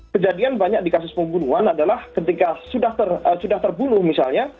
kejadian banyak di kasus pembunuhan adalah ketika sudah terbunuh misalnya